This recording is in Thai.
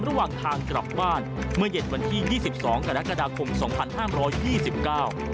ระหว่างทางกลับบ้านเมื่อเย็นวันที่ยี่สิบสองกรกฎาคมสองพันห้ามร้อยยี่สิบเก้า